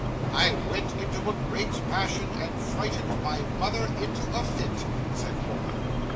'I went into a great passion and frightened my mother into a fit,' said Wardle.